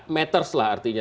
matters lah artinya